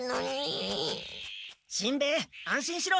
しんべヱ安心しろ。